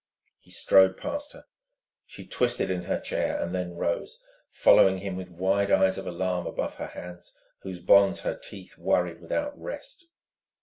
He strode past her. She twisted in her chair, then rose, following him with wide eyes of alarm above her hands, whose bonds her teeth worried without rest.